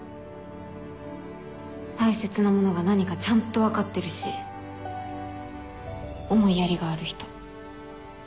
大切なものが何かちゃんと分かってるし思いやりがある人。